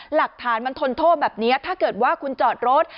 หลักฐานมันทนโทษแบบนี้ถ้าเกิดว่าคุณจอดรถ